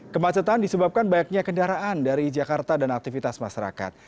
kemacetan disebabkan banyaknya kendaraan dari jakarta dan aktivitas masyarakat